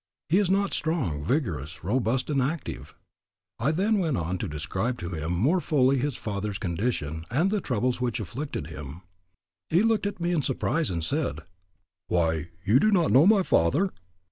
"He is not strong, vigorous, robust, and active." I then went on to describe to him more fully his father's condition and the troubles which afflicted him. He looked at me in surprise and said, "Why, you do not know my father?"